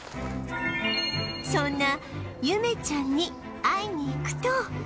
そんなゆめちゃんに会いに行くと